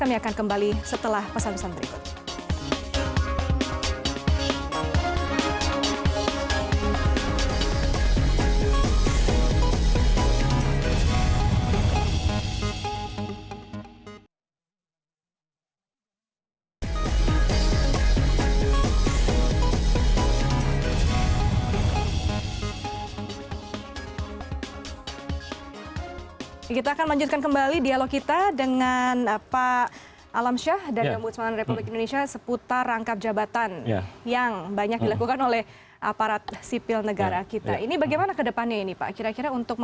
kami akan kembali setelah pesan pesan berikut